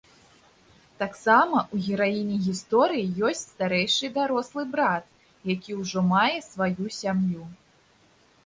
Таксама ў гераіні гісторыі ёсць старэйшы дарослы брат, які ўжо мае сваю сям'ю.